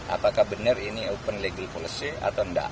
apakah benar ini open legal policy atau enggak